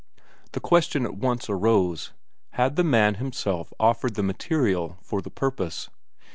The question at once arose: had the man himself offered the material for the purpose?